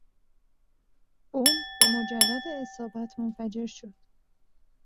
بمب به مجرد اصابت منفجر شد.